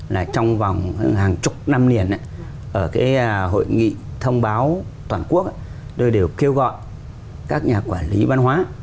là trong vòng hàng chục năm liền ở cái hội nghị thông báo toàn quốc tôi đều kêu gọi các nhà quản lý văn hóa